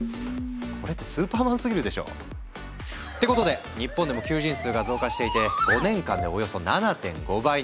これってスーパーマンすぎるでしょ！ってことで日本でも求人数が増加していて５年間でおよそ７．５倍に。